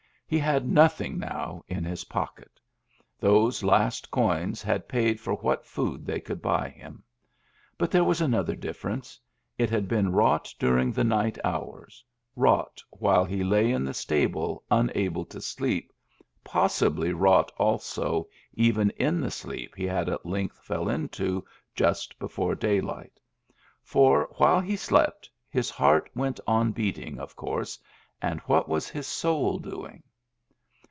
He had nothing now in his pocket; those last coins had paid for what food they could buy him. But there was another diflFerence. It had been wrought during the night hours, wrought while he lay in the stable, unable to sleep, possibly wrought also, even in the sleep he at length fell into just before daylight ; for, while he slept, his heart went on beating, of course, and what was his soul doing